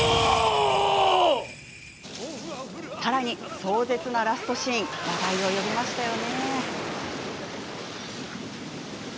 さらに、壮絶なラストシーンは話題を呼びましたよね。